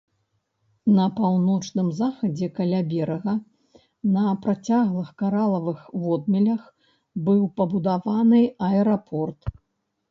На паўночным захадзе каля берага на працяглых каралавых водмелях быў пабудаваны аэрапорт.